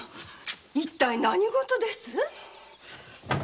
一体何事です？